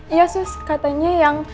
iya sus katanya yang